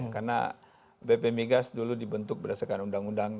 karena bp migas dulu dibentuk berdasarkan undang undang